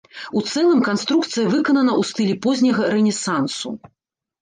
У цэлым канструкцыя выканана ў стылі позняга рэнесансу.